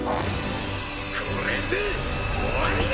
これで終わりだ！